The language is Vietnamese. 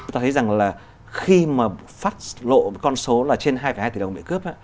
ta thấy rằng là khi mà phát lộ con số là trên hai hai tỷ đồng bị cướp á